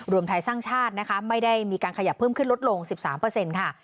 รวมไทยสร้างชาตินะคะไม่ได้มีการขยับเพิ่มขึ้นลดลง๑๓ค่ะ